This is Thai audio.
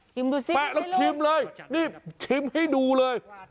ชิมดูซิได้เลยแป๊กเราชิมเลยนี่ชิมให้ดูเลย